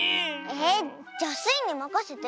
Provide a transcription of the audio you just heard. えっじゃスイにまかせて。